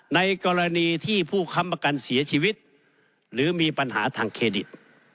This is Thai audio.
ในกรณีที่ผู้ค้ำประกันเสียชีวิตหรือมีปัญหาทางเครดิต